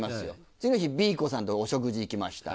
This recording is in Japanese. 次の日Ｂ子さんとお食事行きました。